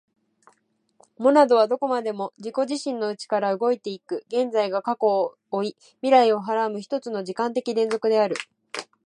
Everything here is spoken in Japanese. モナドはどこまでも自己自身の内から動いて行く、現在が過去を負い未来を孕はらむ一つの時間的連続である。